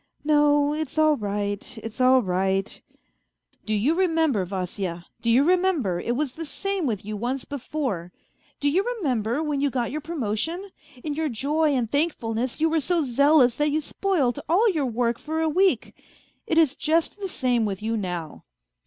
..."" No, it's all right, it's all right. ..."" Do you remember, Vasya, do you remember it was the same with you once before; do you remember, when you got your promotion, in your joy and thankfulness you were so zealous that you spoilt all your work for a week? It is just the same with you now."